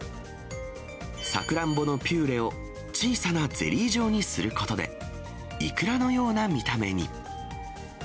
さくらんぼのピューレを小さなゼリー状にすることで、いくらのような見た目に。